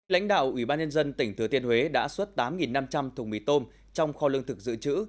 lãnh đạo ủy ban nhân dân tỉnh thừa thiên huế đã xuất tám năm trăm linh thùng mì tôm trong kho lương thực dự trữ